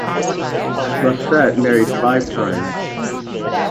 Rosset married five times.